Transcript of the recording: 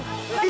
itu bahaya itu